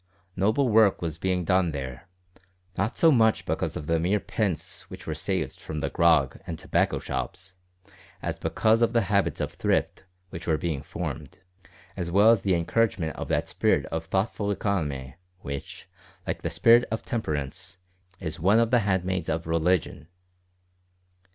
Noble work was being done there, not so much because of the mere pence which were saved from the grog and tobacco shops, as because of the habits of thrift which were being formed, as well as the encouragement of that spirit of thoughtful economy, which, like the spirit of temperance, is one of the hand maids of religion.